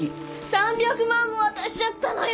３００万も渡しちゃったのよ！